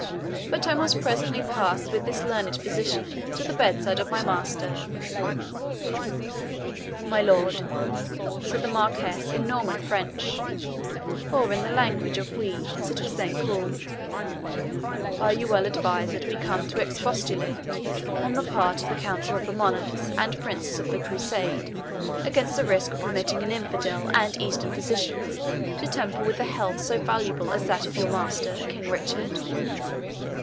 But I must presently pass with this learned physician to the bedside of my master." "My lord," said the Marquis, in Norman French, or the language of Ouie, as it was then called, "are you well advised that we came to expostulate, on the part of the Council of the Monarchs and Princes of the Crusade, against the risk of permitting an infidel and Eastern physician to tamper with a health so valuable as that of your master, King Richard?"